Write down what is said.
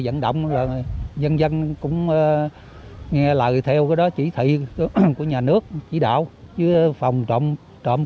dẫn động rồi dân dân cũng nghe lời theo cái đó chỉ thị của nhà nước chỉ đạo chứ phòng trộm trộm